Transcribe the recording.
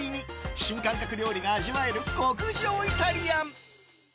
新感覚料理が味わえる極上イタリアン。